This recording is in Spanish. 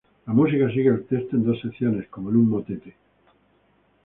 La música sigue al texto en dos secciones, como en un motete.